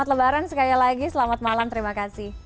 terima kasih bapak